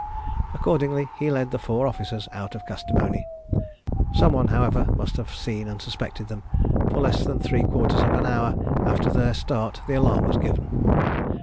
Accordingly, he led the four officers out of Kastamoni. Some one, however, must have seen and suspected them, for less than three quarters of an hour after their start the alarm was given.